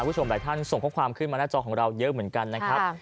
คุณผู้ชมหลายท่านส่งข้อความขึ้นมาหน้าจอของเราเยอะเหมือนกันนะครับ